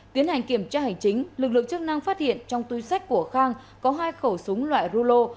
tiến hành kiểm tra hành chính lực lượng chức năng phát hiện trong túi sách của khang có hai khẩu súng loại rulo